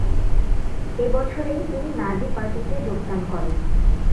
এ বছরেই তিনি নাজি পার্টিতে যোগদান করেন।